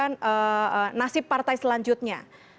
nasib partai selanjutnya